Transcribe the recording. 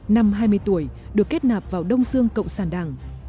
năm hai mươi tuổi được kết nạp vào đông dương cộng sản đảng